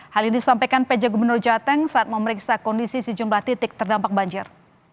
hal ini disampaikan pj gubernur jateng saat memeriksa kondisi sejumlah titik terdampak banjir